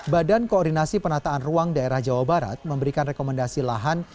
badan koordinasi penataan ruang daerah jawa barat memberikan rekomendasi lahan